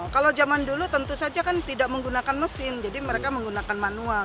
kalau zaman dulu tentu saja kan tidak menggunakan mesin jadi mereka menggunakan manual